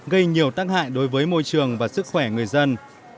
gây nhiều tác hại đối với môi trường và sức khỏe người dân